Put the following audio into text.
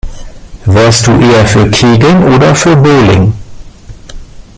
Wärst du eher für Kegeln oder für Bowling?